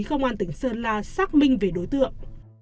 công an tỉnh sơn la xác minh về đối tượng